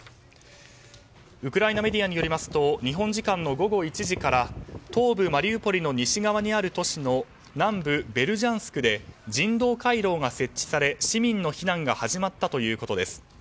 ウクライナメディアによりますと日本時間の午後１時から東部マリウポリの西側にある都市の南部ベルジャンスクで人道回廊が設置され市民の避難が始まったということです。